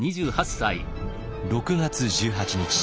６月１８日。